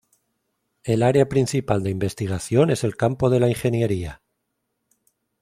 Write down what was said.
El área principal de investigación es el campo de la ingeniería.